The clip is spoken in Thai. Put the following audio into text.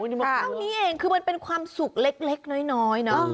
เท่านี้เองคือมันเป็นความสุขเล็กน้อยเนาะ